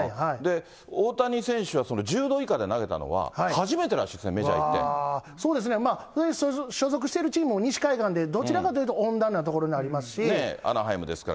大谷選手は、その１０度以下で投げたのは、初めてらしいですそうですね。所属しているチームも西海岸で、どちらかというと温暖な所にありアナハイムですから。